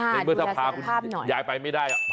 ในเมื่อถ้าพาคุณยายไปไม่ได้